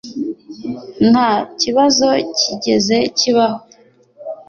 Nta kibazo cyigeze kibaho